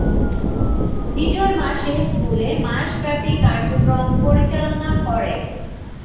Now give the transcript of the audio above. বিজয় মাসে স্কুলে মাসব্যাপী কার্যক্রম পরিচালনা করে।